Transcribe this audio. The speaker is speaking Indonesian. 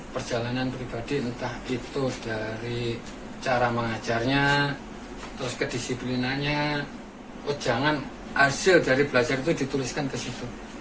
perjalanan pribadi entah itu dari cara mengajarnya terus kedisiplinannya oh jangan hasil dari belajar itu dituliskan ke situ